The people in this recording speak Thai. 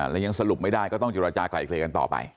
และยังสรุปไม่ได้ก็ต้องเจรจากลายเกลียกันต่อไป